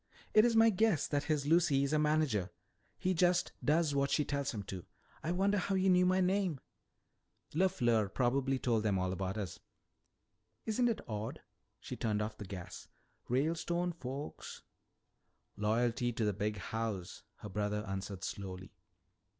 "It's my guess that his Lucy is a manager. He just does what she tells him to. I wonder how he knew my name?" "LeFleur probably told them all about us." "Isn't it odd " she turned off the gas, "'Ralestone folks.'" "Loyalty to the Big House," her brother answered slowly.